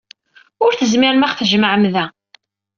Ur tezmirem ad aɣ-tjemɛem da.